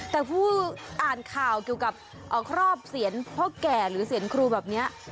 แต่ผู้อ่านข่าวเกี่ยวกับครอบเสียนพ่อแก่หรือเสียงครูแบบนี้